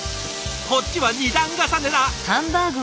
こっちは２段重ねだ！